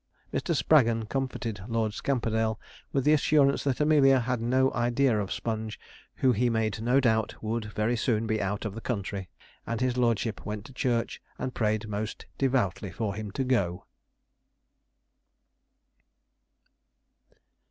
Mr. Spraggon comforted Lord Scamperdale with the assurance that Amelia had no idea of Sponge, who he made no doubt would very soon be out of the country and his lordship went to church and prayed most devoutly for him to go.